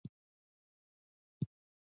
په دوبۍ کې د افغاني میوو نندارتون کیږي.